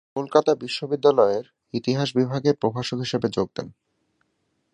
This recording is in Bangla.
তিনি কলকাতা বিশ্ববিদ্যালয়ের ইতিহাস বিভাগের প্রভাষক হিসেবে যোগ দেন।